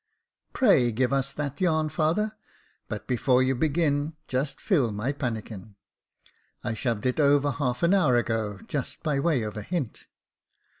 *'Pray give us that yarn, father; but before you begin just fill my pannikin. I shoved it over half an hour ago, just by way of a hint."